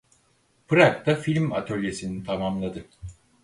Prag'da film atölyesini tamamladı.